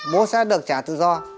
bố sẽ được trả tự do